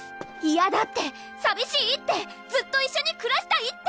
「嫌だ」って「さびしい」って「ずっと一緒にくらしたい」って！